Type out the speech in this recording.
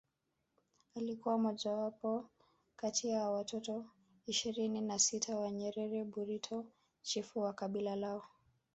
Alikuwa mojawapo kati watoto ishirini na sita wa Nyerere Burito chifu wa kabila lao